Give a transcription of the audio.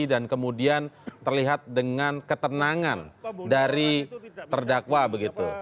dan kemudian terlihat dengan ketenangan dari terdakwa begitu